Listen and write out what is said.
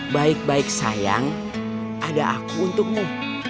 baik baik sayang ada aku untukmu